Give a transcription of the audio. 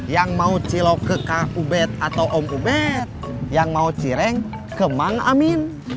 yang mau cilok ke kang ubed atau om ubed yang mau cireng ke mang amin